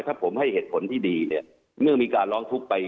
ถ้าผมให้เหตุผลที่ดีเนี่ยเมื่อมีการร้องทุกข์ไป